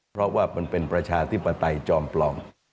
เพราะว่ามันเป็นประชาธิปไตยจอมปล่อง